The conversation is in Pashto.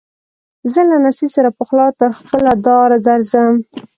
زه له نصیب سره پخلا تر خپله داره درځم